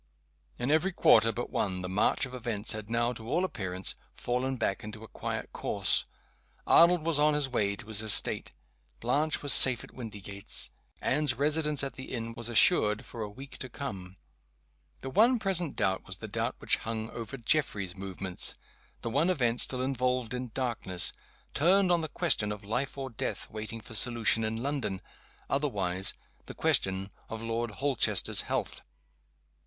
In every quarter but one the march of events had now, to all appearance, fallen back into a quiet course. Arnold was on his way to his estate; Blanche was safe at Windygates; Anne's residence at the inn was assured for a week to come. The one present doubt was the doubt which hung over Geoffrey's movements. The one event still involved in darkness turned on the question of life or death waiting for solution in London otherwise, the question of Lord Holchester's health.